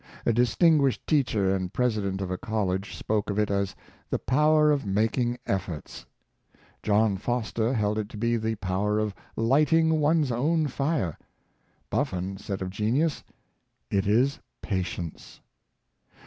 A distinguished teacher and president of a college spoke of it as the power of making efibrts. John Foster held it to be the power of lighting one's own fire, Bufibn said of genius, *' it is patience."